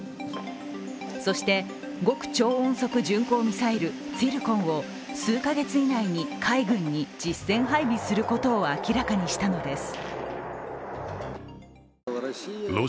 そして、極超音速巡航ミサイル、ツィルコンを数カ月以内に海軍に実戦配備することを明らかにしたのです。